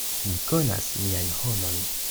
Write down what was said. Mi konas miajn homojn.